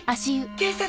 警察？